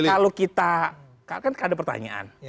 kalau kita kan ada pertanyaan